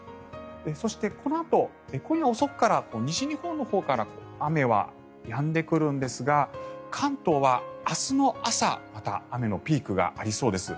そして、このあと今夜遅くから西日本のほうから雨はやんでくるんですが関東は明日の朝また雨のピークがありそうです。